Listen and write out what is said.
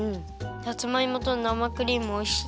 さつまいもとなまクリームおいしい。